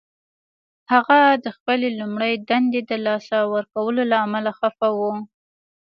هغه د خپلې لومړۍ دندې د لاسه ورکولو له امله خفه و